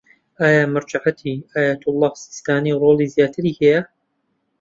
ئایا مەرجەعیەتی ئایەتوڵا سیستانی ڕۆڵی زیاتری هەیە؟